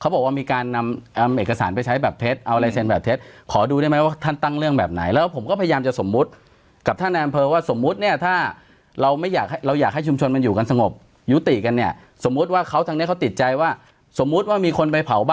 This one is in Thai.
ประมาณเดือนเมษามันตกเบิก๒เดือนนั้นประมาณมิถุนา